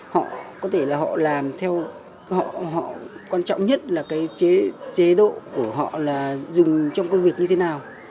họ có thể là họ làm theo họ quan trọng nhất là cái chế độ của họ là dùng trong công việc như thế nào